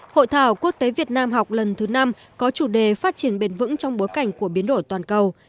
hội thảo quốc tế việt nam học lần thứ năm có chủ đề phát triển bền vững trong bối cảnh của biến đổi toàn cầu